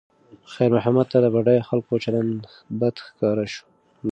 خیر محمد ته د بډایه خلکو چلند بد ښکاره شو.